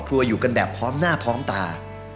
อยู่กันแบบพร้อมหน้าพร้อมตา